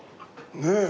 ねえ。